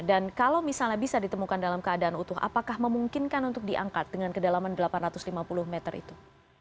dan kalau misalnya bisa ditemukan dalam keadaan utuh apakah memungkinkan untuk diangkat dengan kedalaman delapan ratus lima puluh meter itu